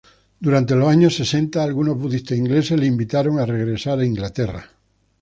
Durante los años sesenta algunos budistas ingleses le invitaron a regresar a Inglaterra.